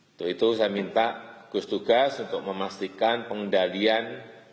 itu itu saya minta gugus tugas untuk memastikan pengendalian